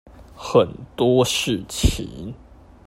很多事情